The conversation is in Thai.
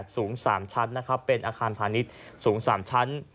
สูง๓ชั้นเป็นอาคารผ่านิดสูง๓ชั้น